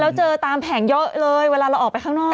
แล้วเจอตามแผงเยอะเลยเวลาเราออกไปข้างนอก